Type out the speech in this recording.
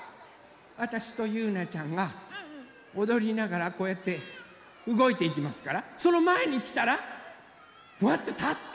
あたしとゆうなちゃんがおどりながらこうやってうごいていきますからそのまえにきたらふわっとたって。